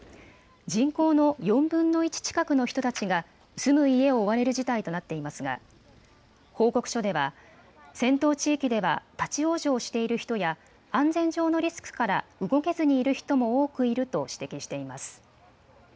人口の４分の１近くの人たちが住む家を追われる事態となっていますが報告書では戦闘地域では立往生している人や安全上のリスクから動けずにいる人も多くいると指摘しています。